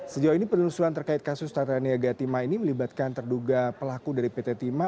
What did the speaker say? sejauh ini penelusuran terkait kasus tata niaga tima ini melibatkan terduga pelaku dari pt timah